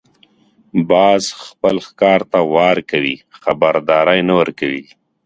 باز خپل ښکار ته وار کوي، خبرداری نه ورکوي